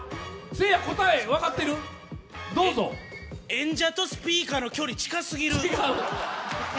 演者とスピーカーの距離近すぎる！